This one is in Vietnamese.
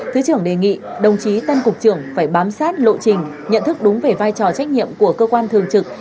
thứ trưởng đề nghị đồng chí tân cục trưởng phải bám sát lộ trình nhận thức đúng về vai trò trách nhiệm của cơ quan thường trực